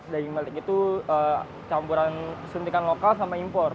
daging melik itu campuran suntikan lokal sama impor